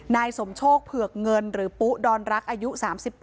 นายสมโชคเผือกเงินหรือปุ๊ดอนรักอายุ๓๘